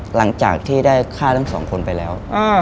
หลังจากที่ได้ฆ่าทั้งสองคนไปแล้ว